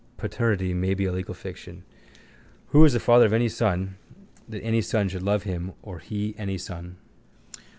Paternity may be a legal fiction. Who is the father of any son that any son should love him or he any son?